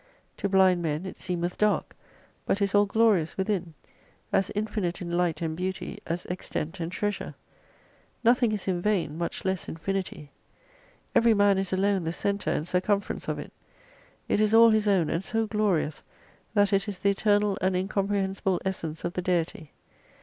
To blind men it seemeth dark, but is all glorious within, as infinite in light and beauty as extent and treasure. Nothing is in vain, much less infinity. Every man is alone the centre and circum ference of it. It is all his own, and so glorious, that it is the eternal and incomprehensible essence of the Deity.